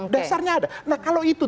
dasarnya ada nah kalau itu